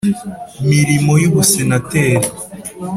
Mirimo y’ubusenateri